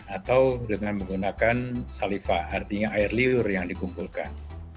atau dengan menggunakan salifah artinya air liur yang dikumpulkan